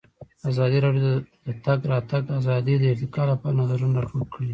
ازادي راډیو د د تګ راتګ ازادي د ارتقا لپاره نظرونه راټول کړي.